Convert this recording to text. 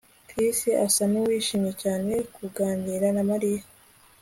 Chris asa nuwishimiye cyane kuganira na Mariya